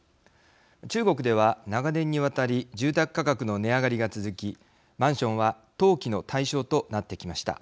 中国では長年にわたり住宅価格の値上がりが続きマンションは投機の対象となってきました。